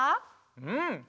うん。